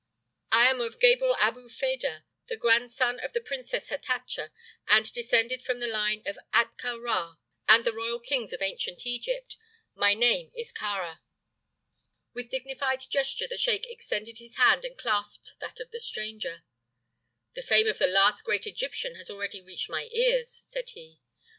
"I am of Gebel Abu Fedah, the grandson of the Princess Hatatcha, and descended from the line of Ahtka Rā and the royal kings of ancient Egypt. My name is Kāra." With dignified gesture the sheik extended his hand and clasped that of the stranger. "The fame of the last great Egyptian has already reached my ears," said he.